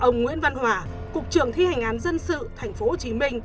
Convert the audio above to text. ngoài ra cục trưởng thi hành án dân sự tp hcm